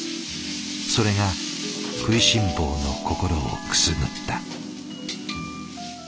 それが食いしん坊の心をくすぐった。